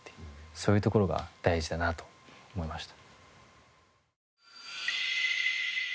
そういうところが大事だなと思いました。